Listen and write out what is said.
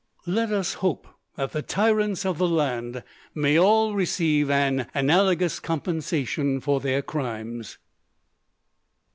Let us hope that the tyrants of the land may all receive an analogous compensation for their crimes!